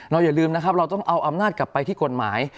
อย่าลืมนะครับเราต้องเอาอำนาจกลับไปที่กฎหมาย